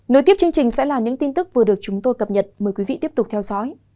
nối tiếp chương trình sẽ là những tin tức vừa được chúng tôi cập nhật mời quý vị tiếp tục theo dõi